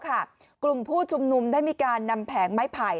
กลุ่มผู้ชุมนุมได้มีการนำแผงไม้ไผ่